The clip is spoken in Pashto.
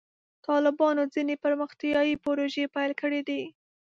طالبانو ځینې پرمختیایي پروژې پیل کړې دي.